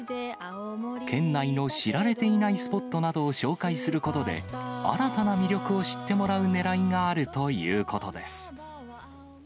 県内の知られていないスポットなどを紹介することで、新たな魅力を知ってもらうねらいがあるということです。